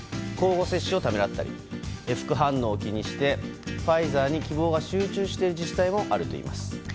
交互接種をためらったり副反応を気にしてファイザーに希望が集中している自治体もあるといいます。